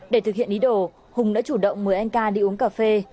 để thực hiện ý đồ hùng đã chủ động mời anh ca đi uống cà phê